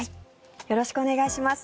よろしくお願いします。